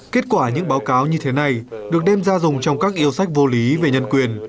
kết quả những báo cáo như thế này được đem ra dùng trong các yêu sách vô lý về nhân quyền